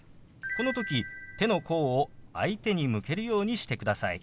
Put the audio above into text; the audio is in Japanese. この時手の甲を相手に向けるようにしてください。